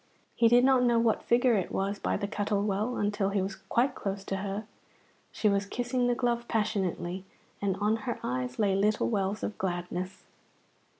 He did not know what figure it was by the Cuttle Well until he was quite close to her. She was kissing the glove passionately, and on her eyes lay little wells of gladness.